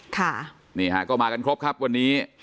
ค่ะนี่ฮะก็มากันครบครับวันนี้